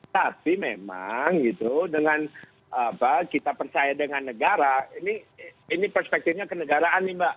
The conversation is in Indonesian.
tapi memang gitu dengan kita percaya dengan negara ini perspektifnya kenegaraan nih mbak